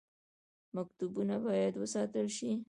مکتبونه باید وساتل شي